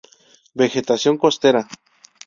Vegetación costera.